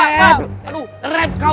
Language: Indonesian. aduh rep kau rep kau